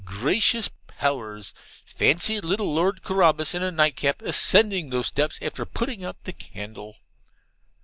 Gracious powers! fancy little Lord Carabas in a nightcap ascending those steps after putting out the candle!